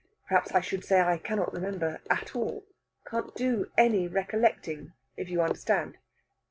Perhaps I should say I cannot remember at all can't do any recollecting, if you understand."